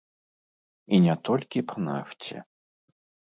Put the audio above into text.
І не толькі па нафце.